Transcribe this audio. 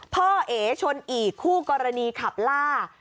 เอ๋ชนอีกคู่กรณีขับล่า